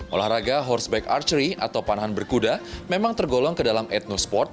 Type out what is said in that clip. olahraga horseback archery atau panahan berkuda memang tergolong ke dalam etnosport